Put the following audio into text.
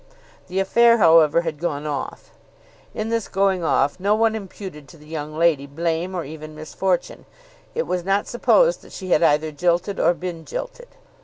The affair, however, had gone off. In this "going off" no one imputed to the young lady blame or even misfortune. It was not supposed that she had either jilted or been jilted.